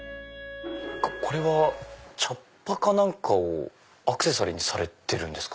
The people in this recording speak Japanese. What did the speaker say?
これは茶葉か何かをアクセサリーにしてるんですか？